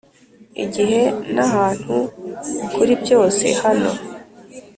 igihe n'ahantu kuri byose - hano